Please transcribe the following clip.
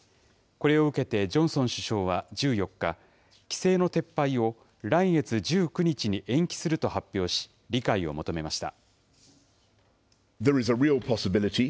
これを受けてジョンソン首相は１４日、規制の撤廃を来月１９日に延期すると発表し、理解を求めました。